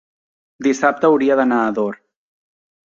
Dissabte hauria d'anar a Ador.